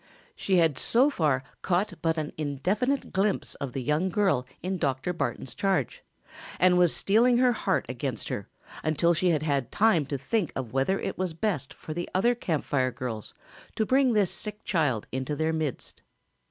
She had so far caught but an indefinite glimpse of the young girl in Dr. Barton's charge and was steeling her heart against her until she had had time to think of whether it was best for the other Camp Fire girls to bring this sick child into their midst.